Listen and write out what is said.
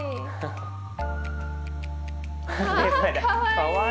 かわいい！